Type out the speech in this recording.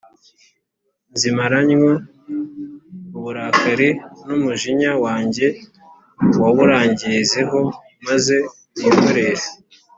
Nzimara ntyo uburakari, n’umujinya wanjye wubarangirizeho maze nihorere